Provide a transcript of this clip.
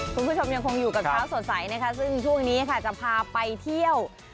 คุณผู้ชมยังคงอยู่กับเช้าสดใสนะคะซึ่งช่วงนี้ค่ะจะพาไปเที่ยว